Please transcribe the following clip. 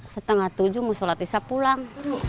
setengah tujuh mau sholat isya pulang